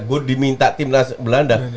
gue diminta timnas belanda